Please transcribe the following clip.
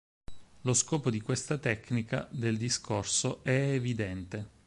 Lo scopo di questa tecnica del discorso è evidente.